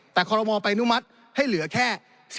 แต่คอรมอลไปอนุมัติให้เหลือแค่